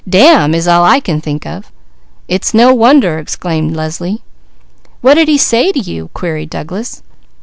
'Dam' is all I can think of." "It's no wonder!" exclaimed Leslie. "What did he say to you?" queried Douglas.